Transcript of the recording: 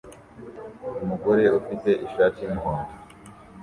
Umugore ufite ishati y'umuhondo